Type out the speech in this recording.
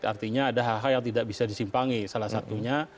artinya ada hal hal yang tidak bisa disimpangi salah satunya